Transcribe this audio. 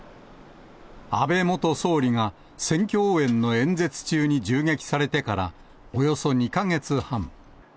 安倍元総理が選挙応援の演説中に銃撃されてから、およそ２か月半。